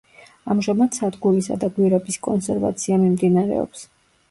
ამჟამად სადგურისა და გვირაბის კონსერვაცია მიმდინარეობს.